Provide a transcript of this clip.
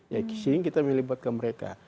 ya sehingga kita melibatkan mereka